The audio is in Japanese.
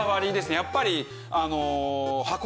やっぱり。